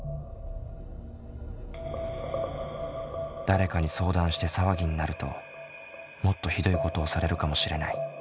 誰かに相談して騒ぎになるともっと酷いことをされるかもしれない。